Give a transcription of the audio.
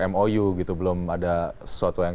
mou gitu belum ada sesuatu yang